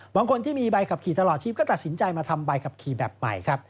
บางคนที่มีใบขับขี่ตลอดชีพก็ตัดสินใจมาทำใบขับขี่แบบใหม่ครับ